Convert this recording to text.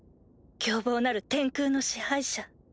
凶暴なる天空の支配者。